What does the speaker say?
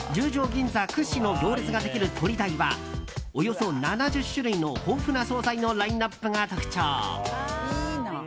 銀座屈指の行列ができる鳥大はおよそ７０種類の豊富な総菜のラインアップが特徴。